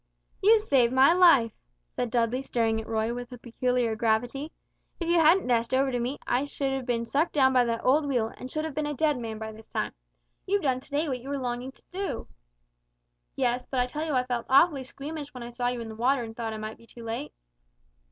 "You've saved my life," said Dudley, staring at Roy with a peculiar gravity; "if you hadn't dashed over to me, I should have been sucked down by that old wheel, and should have been a dead man by this time. You've done to day what you were longing to do." "Yes, but I tell you I felt awfully squeamish when I saw you in the water and thought I might be too late."